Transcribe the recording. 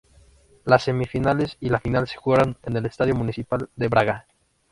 Las semifinales y la final se jugaron en el Estadio Municipal de Braga.